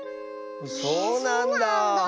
そうなんだあ。